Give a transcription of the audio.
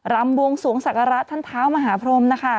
ำบวงสวงศักระท่านเท้ามหาพรมนะคะ